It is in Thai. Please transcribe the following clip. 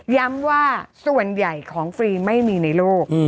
ว่าส่วนใหญ่ของฟรีไม่มีในโลก